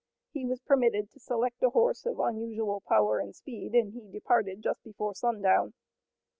He was permitted to select a horse of unusual power and speed, and he departed just before sundown.